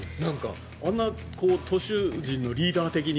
あんな、投手陣のリーダー的に。